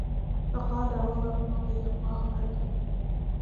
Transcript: فَقَالَ عُمَرُ رَضِيَ اللَّهُ عَنْهُ